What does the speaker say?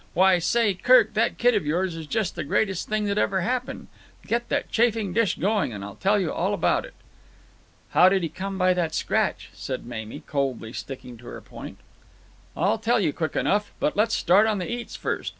Why, say, Kirk, that kid of yours is just the greatest thing that ever happened. Get that chafing dish going and I'll tell you all about it." "How did he come by that scratch?" said Mamie, coldly sticking to her point. "I'll tell you quick enough. But let's start in on the eats first.